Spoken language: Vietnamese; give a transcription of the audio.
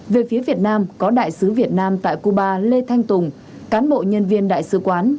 về phía việt nam có đại sứ việt nam tại cuba lê thanh tùng cán bộ nhân viên đại sứ quán